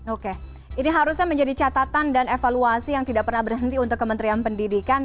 oke ini harusnya menjadi catatan dan evaluasi yang tidak pernah berhenti untuk kementerian pendidikan